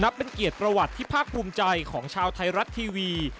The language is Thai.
เป็นเกียรติประวัติที่ภาคภูมิใจของชาวไทยรัฐทีวี